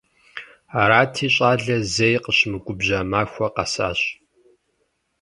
Арати, щӀалэр зэи къыщымыгубжьа махуэ къэсащ.